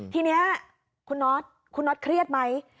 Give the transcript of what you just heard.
ทีนี้คุณนอทเครียดไหม